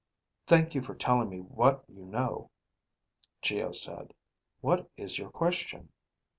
"Thank you for telling me what you know," Geo said. "What is your question?"